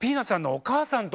お母さんと。